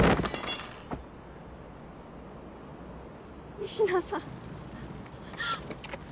仁科さん？